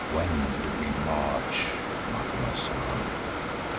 When do we march, Macumazahn?"